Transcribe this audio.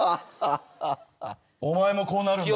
お前もこうなるんだろ？